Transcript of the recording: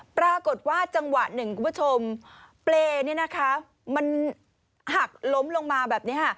ปรากฏว่าจังหวัด๑กุระชมเปลมันหักล้มลงมาแบบนี้